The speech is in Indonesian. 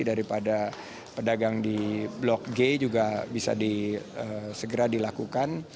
daripada pedagang di blok g juga bisa segera dilakukan